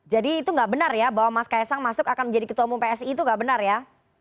jadi itu nggak benar ya bahwa mas kaisang masuk akan menjadi ketua umum psi itu nggak benar ya